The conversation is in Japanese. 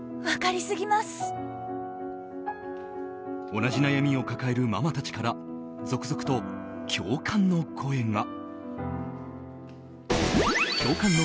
同じ悩みを抱えるママたちから続々と共感の声が。